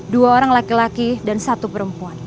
dua orang laki laki dan satu perempuan